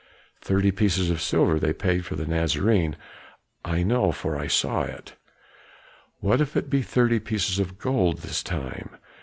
Thirty pieces of silver they paid for the Nazarene; I know, for I saw it." "What if it be thirty pieces of gold this time?"